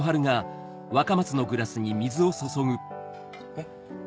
えっ？